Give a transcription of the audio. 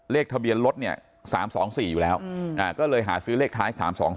ทะเบียนรถเนี่ย๓๒๔อยู่แล้วก็เลยหาซื้อเลขท้าย๓๒